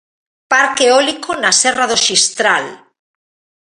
Parque eólico na Serra do Xistral.